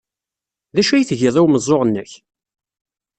D acu ay tgiḍ i umeẓẓuɣ-nnek?